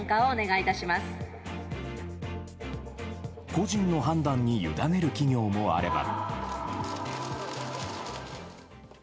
個人の判断に委ねる企業もあれば。